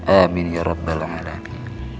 amin ya rabbal alamin